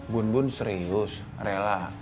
bun bun serius rela